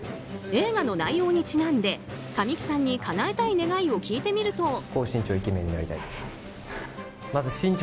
映画の内容にちなんで神木さんにかなえたい願いを聞いてみると。